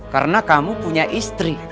karena kamu punya istri